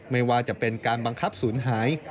ไม่ว่าจะเป็นการบังคับศูนย์หาย